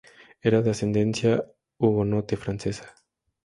Era de ascendencia hugonote francesa.